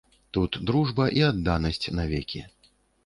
Тут дружба і адданасць навекі.